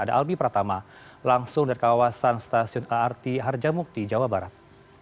ada albi pratama langsung dari kawasan stasiun art harjamukti jawa barat